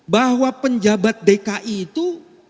bahwa penjabat dki itu